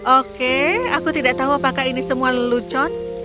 oke aku tidak tahu apakah ini semua lelucon